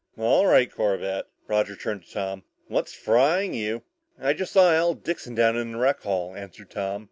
"All right, Corbett," Roger turned to Tom. "What's frying you?" "I just saw Al Dixon down in the rec hall," answered Tom.